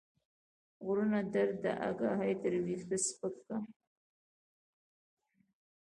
غرونه درد داګاهي تر ويښته سپک کا